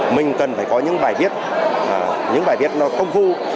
mình cần phải có những bài viết những bài viết nó công phu